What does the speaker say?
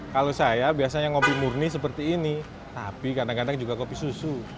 kalau saya biasanya ngopi murni seperti ini tapi kadang kadang juga kopi susu